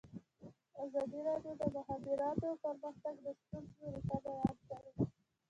ازادي راډیو د د مخابراتو پرمختګ د ستونزو رېښه بیان کړې.